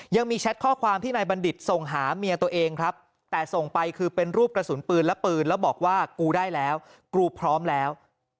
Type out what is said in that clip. ยังมีแชทข้อความที่นายบัณฑิตส่งหาเมียตัวเองครับแต่ส่งไปคือเป็นรูปกระสุนปืนและปืนแล้วบอกว่ากูได้แล้วกูพร้อมแล้ว